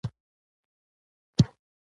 هم د مسألې په پوهاوي کي مرسته درسره کوي.